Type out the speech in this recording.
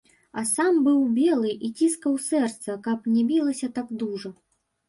А сам быў белы і ціскаў сэрца, каб не білася так дужа.